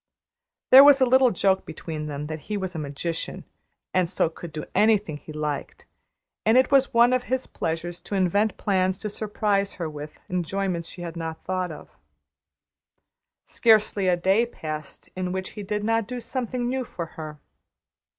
There was a little joke between them that he was a magician, and so could do anything he liked; and it was one of his pleasures to invent plans to surprise her with enjoyments she had not thought of. Scarcely a day passed in which he did not do something new for her.